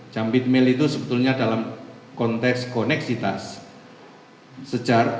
jump it mill itu sebetulnya dalam konteks koneksitas